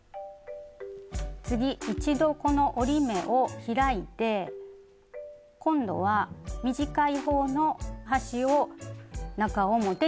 次一度この折り目を開いて今度は短い方の端を中表に合わせます。